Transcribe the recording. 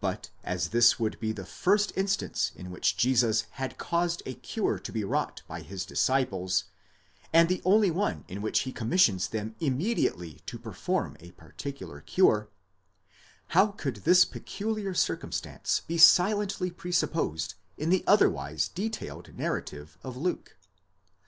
But as this would be the first instance in which Jesus had caused a cure to be wrought by his disciples, and the only one in which he commissions them immediately to perform a particular cure, how could this peculiar circumstance be silently presupposed in the otherwise detailed narrative of Luke?